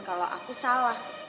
kalau aku salah